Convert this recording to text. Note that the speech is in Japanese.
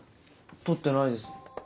取ってないです。